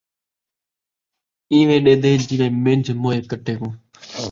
اینویں ݙیہدے جینویں منجھ موئے کٹے کوں